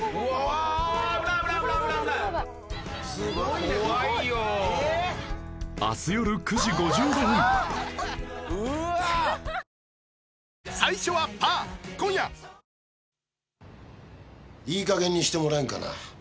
いい加減にしてもらえんかな。